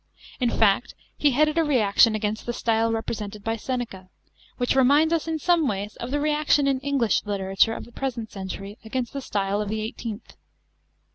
In fact he headed a reaction against the style repre sented by Seneca, which reminds us in some ways of the reaction in English literature of the present century against the style of the eighteenth.